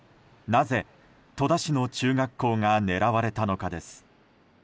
なぜ、戸田市の中学校が狙われたのかです。